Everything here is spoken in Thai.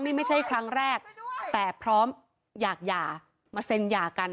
นี่ไม่ใช่ครั้งแรกแต่พร้อมอยากหย่ามาเซ็นหย่ากัน